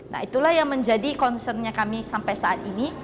nah itulah yang menjadi concernnya kami sampai saat ini